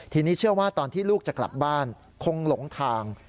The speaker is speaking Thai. ทีนี้เชื่อว่าตอนที่ลูกจะกลับบ้านคงหลงทาง